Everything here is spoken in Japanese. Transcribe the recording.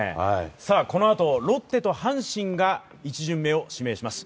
このあとロッテと阪神が１巡目を指名します。